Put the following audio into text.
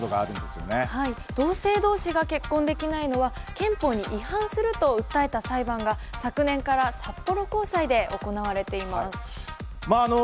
同性同士が結婚できないのは憲法に違反すると訴えた裁判が昨年から札幌高裁で行われています。